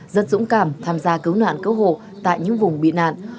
rất dũng cảm tham gia cứu nạn cứu hộ tại những vùng bị nạn